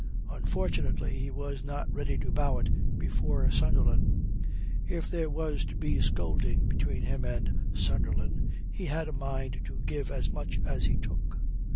Unfortunately, he was not ready to bow it before Sunderland. If there was to be scolding between him and Sunderland, he had a mind to give as much as he took.